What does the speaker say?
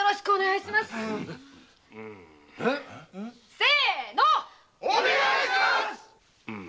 せぇのお願いしますうむ。